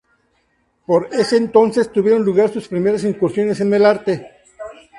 Por ese entonces tuvieron lugar sus primeras incursiones en el arte.